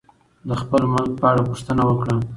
د خپل ملک په اړه پوښتنه وکړه.